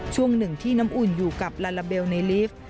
ช่วงหนึ่งที่น้ำอุ่นอยู่กับลาลาเบลในลิฟต์